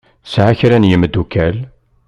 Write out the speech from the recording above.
Tesεa kra n yemdukal.